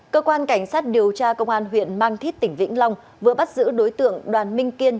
cơ quan cảnh sát điều tra công an huyện mang thít tỉnh vĩnh long vừa bắt giữ đối tượng đoàn minh kiên